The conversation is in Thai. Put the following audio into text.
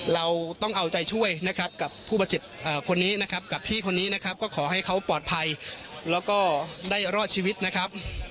เราต้องเอาใจช่วยนะครับกับผู้บาดเจ็บคนนี้นะครับกับพี่คนนี้นะครับก็ขอให้เขาปลอดภัยแล้วก็ได้รอดชีวิตนะครับ